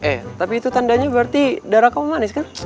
eh tapi itu tandanya berarti darah kau manis kan